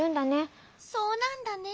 そうなんだね。